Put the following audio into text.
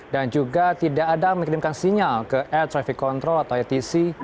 dan juga tidak ada yang mengirimkan sinyal ke air traffic control atau atc